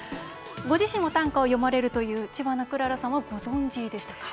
ご自身も短歌を詠まれるという知花くららさんはご存じでしたか？